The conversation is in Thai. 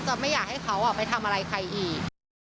ไม่อยากให้เขาไปทำอะไรใครอีก